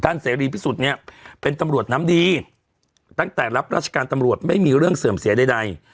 เสรีพิสุทธิ์เนี่ยเป็นตำรวจน้ำดีตั้งแต่รับราชการตำรวจไม่มีเรื่องเสื่อมเสียใด